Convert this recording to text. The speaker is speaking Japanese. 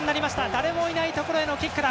誰もいないところのへのキックだ。